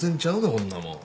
そんなもん。